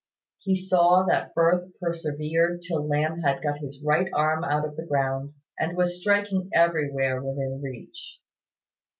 He saw that Firth persevered till Lamb had got his right arm out of the ground, and was striking everywhere within reach.